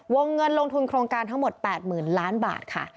วงเงินลงทุนโครงการทั้งหมด๘๐๐๐ล้านบาทค่ะ